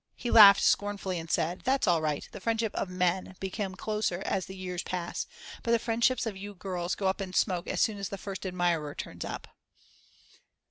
He laughed scornfully and said: That's all right, the friendships of men become closer as the years pass, but the friendships of you girls go up in smoke as soon as the first admirer turns up.